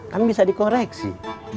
kan bisa dikoreksi